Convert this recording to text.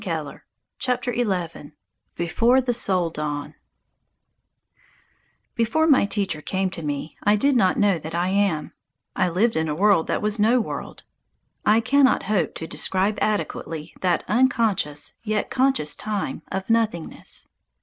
BEFORE THE SOUL DAWN XI BEFORE THE SOUL DAWN BEFORE my teacher came to me, I did not know that I am. I lived in a world that was a no world. I cannot hope to describe adequately that unconscious, yet conscious time of nothingness.